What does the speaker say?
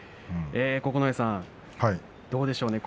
九重さん、どうでしょうね